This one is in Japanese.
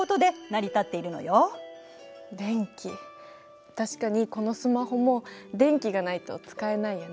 電気確かにこのスマホも電気がないと使えないよね。